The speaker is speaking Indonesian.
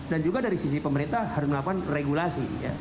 dan juga dari sisi pemerintah harus melakukan regulasi